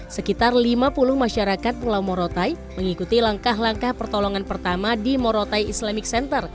sekitar lima puluh masyarakat pulau morotai mengikuti langkah langkah pertolongan pertama di morotai islamic center